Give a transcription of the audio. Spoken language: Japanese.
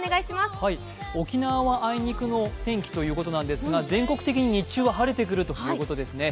沖縄はあいにくの天気ということなんですが、全国的に日中は晴れてくるということですね。